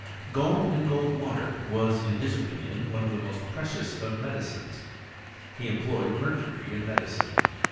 Gold and gold water was, in his opinion, t>ne of the most precious of medicines. He employed mercury in medicine.